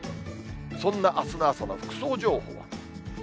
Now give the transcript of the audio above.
そんなあすの朝の服装情報。